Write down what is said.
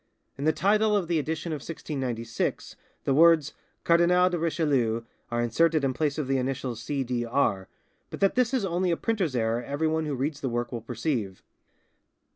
In the title of the edition of 1696 the words "Cardinal de Richelieu" are inserted in place of the initials "C. D. R.," but that this is only a printer's error everyone who reads the work will perceive.